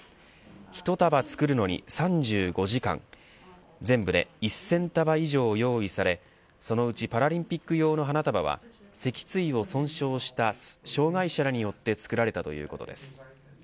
一束作るのに３５時間全部で１０００束以上用意されそのうちパラリンピック用の花束は脊椎を損傷した障害者らによって作られたということです。